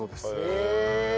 へえ！